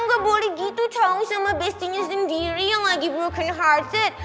gak boleh gitu tau sama bestinya sendiri yang lagi broken hearted